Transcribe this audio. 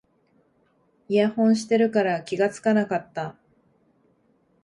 イヤホンしてるから気がつかなかった